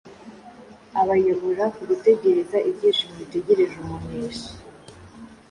abayobora ku gutegereza ibyishimo bitegereje umuneshi.